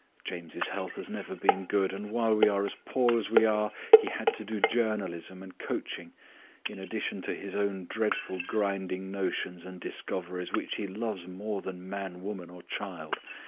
James' health has never been good, and while we are as poor as we are he had to do journalism and coaching, in addition to his own dreadful grinding notions and discoveries, which he loves more than man, woman, or child.